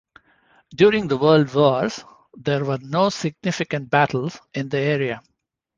During the World Wars, there were no significant battles in the area.